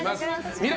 未来